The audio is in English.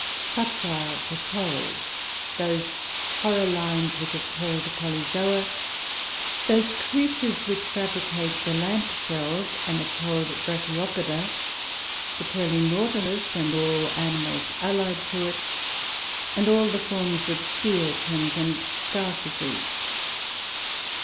Such are the corals; those corallines which are called Polyzoa; those creatures which fabricate the lamp shells, and are called Brachiopoda; the pearly Nautilus, and all animals allied to it; and all the forms of sea urchins and star fishes.